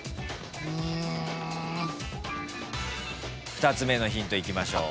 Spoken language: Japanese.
２つ目のヒントいきましょう。